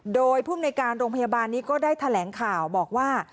โดยภูมิในการโรงพยาบาลนี้ก็ได้แถลงข่าวบอกว่า